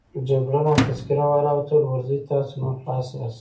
جګړن وه تذکره والاو ته وویل: ورځئ، تاسو نور خلاص یاست.